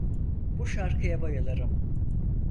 Bu şarkıya bayılırım.